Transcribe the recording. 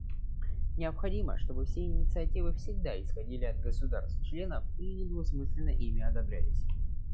Необходимо, чтобы все инициативы всегда исходили от государств-членов или недвусмысленно ими одобрялись.